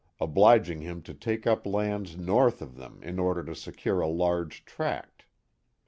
obliging him to take up lands north of them in order to secure a large tract.